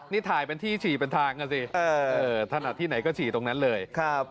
นี่ถ่ายเป็นที่ฉี่เป็นทางอ่ะสิถนัดที่ไหนก็ฉี่ตรงนั้นเลยครับ